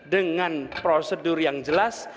dengan prosedur yang jelas